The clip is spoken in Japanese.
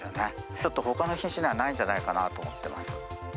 ちょっとほかの品種にはないんじゃないかなと思ってます。